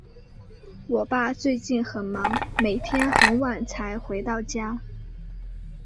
我爸最近很忙，每天很晚才回到家。